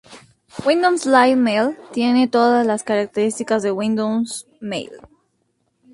Windows Live Mail tiene todas las características de Windows Mail.